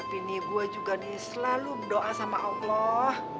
tapi ini gue juga nih selalu berdoa sama allah